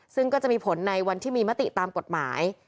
ซึ่งก็จะมีผลในวันที่มีมติตามกฎหมาย